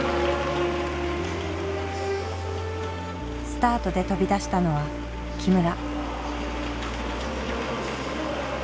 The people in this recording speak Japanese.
スタートで飛び出したのは木村。